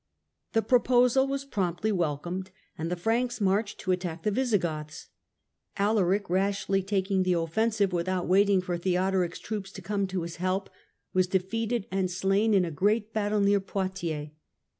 The proposal was promptly welcomed and the Franks marched to attack the Visigoths. Alaric, rashly taking the offen sive without waiting for Theodoric's troops to come to his help, was defeated and slain in a great battle near Poitiers.